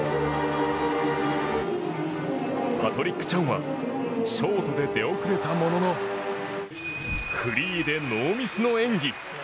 パトリック・チャンはショートで出遅れたもののフリーでノーミスの演技。